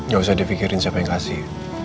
gak usah dipikirin siapa yang kasih